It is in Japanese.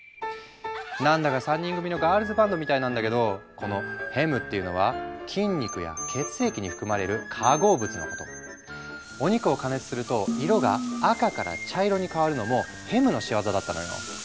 何だか３人組のガールズバンドみたいなんだけどこのヘムっていうのはお肉を加熱すると色が赤から茶色に変わるのもヘムの仕業だったのよ。